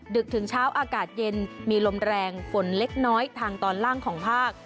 ดึกถึงเช้าอากาศเย็นมีลมแรงฝนเล็กน้อยทางตอนล่างของภาค